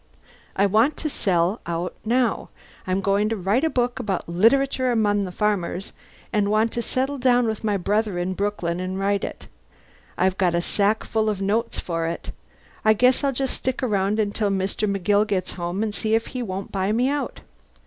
I want to sell out now. I'm going to write a book about 'Literature Among the Farmers,' and want to settle down with my brother in Brooklyn and write it. I've got a sackful of notes for it. I guess I'll just stick around until Mr. McGill gets home and see if he won't buy me out.